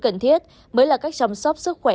cần thiết mới là cách chăm sóc sức khỏe